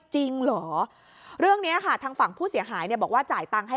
จริงเหรอเรื่องนี้ค่ะทางฝั่งผู้เสียหายเนี่ยบอกว่าจ่ายตังค์ให้